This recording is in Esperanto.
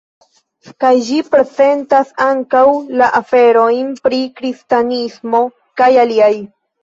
Kaj ĝi prezentas ankaŭ la aferojn pri kristanismo kaj aliaj.